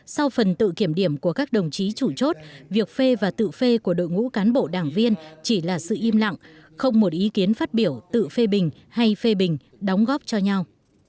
sau phần tự kiểm điểm của các đồng chí chủ chốt việc phê và tự phê của đội ngũ cán bộ đảng viên chỉ là sự im lặng không một ý kiến phát biểu tự phê bình hay phê bình đóng góp cho nhau